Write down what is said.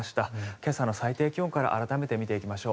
今朝の最低気温から改めて見ていきましょう。